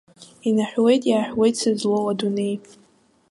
Инаҳәуеит, иааҳәуеит сызлоу адунеи.